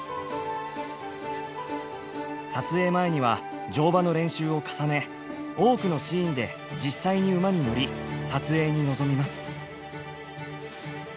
撮影前には乗馬の練習を重ね多くのシーンで実際に馬に乗り撮影に臨みます。